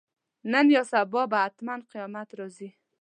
نن یا سبا به حتماً قیامت راځي.